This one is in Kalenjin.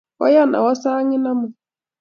koyan awoo sangin amut